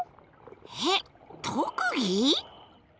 えっ！特技？